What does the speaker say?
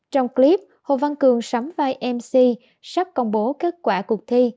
trong clip hồ văn cường sắm vai mc sắp công bố kết quả cuộc thi